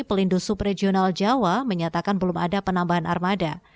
pelindung subregional jawa menyatakan belum ada penambahan armada